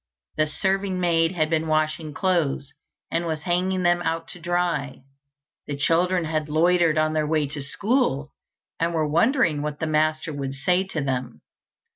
The serving maid had been washing clothes, and was hanging them out to dry. The children had loitered on their way to school, and were wondering what the master would say to them.